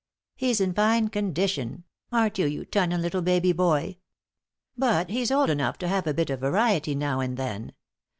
"He's in fine condition aren't you, you tunnin' 'ittle baby boy? But he's old enough to have a bit of variety now and then.